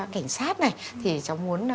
cảnh sát này thì cháu muốn